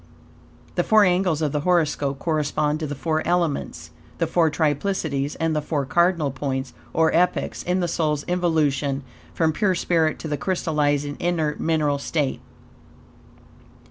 The four angles of the horoscope correspond to the four elements, the four triplicities, and the four cardinal points, or epochs, in the soul's involution from pure spirit to the crystallizing, inert, mineral state.